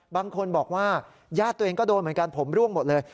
บางคนบอกว่าญาติตัวเองก็โดนเหมือนกันผมร่วงหมดเลย